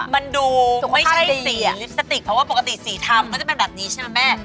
มันดูไม่ใช่สีลิปสติกเพราะว่าปกติสีทำก็จะเป็นแบบนี้ใช่ไหมแม่